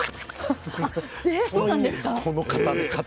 え⁉そうなんですか？